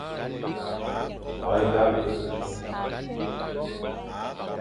Herga ke,